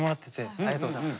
ありがとうございます。